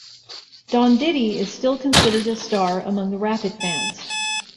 "Don Didi" is still considered a star among the Rapid fans.